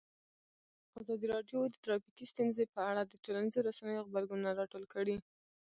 ازادي راډیو د ټرافیکي ستونزې په اړه د ټولنیزو رسنیو غبرګونونه راټول کړي.